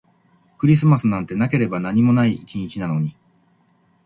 クリスマスなんてなければ何にもない一日なのに